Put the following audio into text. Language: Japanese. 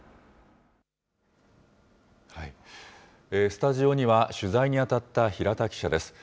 スタジオには、取材に当たった平田記者です。